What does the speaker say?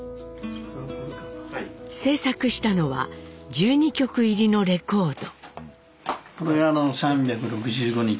制作したのは１２曲入りのレコード。